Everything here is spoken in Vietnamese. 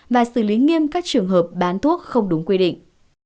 và xử lý nghiêm các trường hợp bán thuốc không đúng quy định